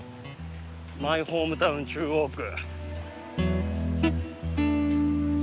マイホームタウン中央区。